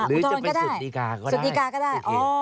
อูทรก็ได้สุดดีกาก็ได้